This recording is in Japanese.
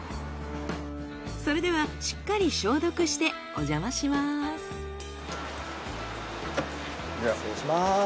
それではしっかり消毒してお邪魔します。